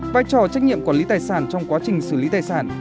vai trò trách nhiệm quản lý tài sản trong quá trình xử lý tài sản